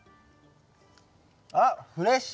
あっフレッシュ！